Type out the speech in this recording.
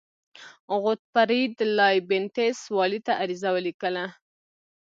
غوتفریډ لایبینټس والي ته عریضه ولیکله.